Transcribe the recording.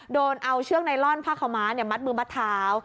โดนเอาเชือกไนลอนผ้าขาวม้ามัดมือมัดเท้า